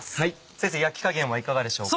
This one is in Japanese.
先生焼き加減はいかがでしょうか？